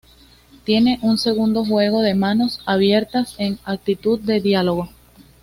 Tiene un segundo juego de manos abiertas en actitud de diálogo.